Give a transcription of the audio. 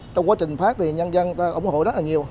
trong quá trình phát thì nhân dân ủng hộ rất là nhiều